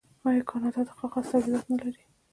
آیا کاناډا د کاغذ تولیدات نلري؟